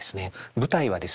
舞台はですね